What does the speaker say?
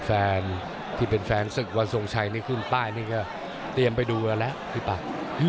แฟนที่เป็นแฟนนี่ขึ้นป้ายนี่ก็เตรียมไปดูกันแล้วพี่ป่า